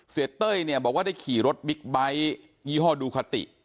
เต้ยเนี่ยบอกว่าได้ขี่รถบิ๊กไบท์ยี่ห้อดูคาติ